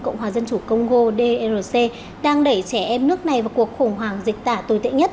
cộng hòa dân chủ congo drc đang đẩy trẻ em nước này vào cuộc khủng hoảng dịch tả tồi tệ nhất